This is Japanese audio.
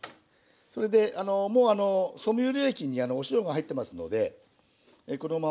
それでもうソミュール液にお塩が入ってますのでこのまんま小麦粉をつけて